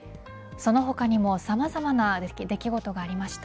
その他にもさまざまな出来事がありました。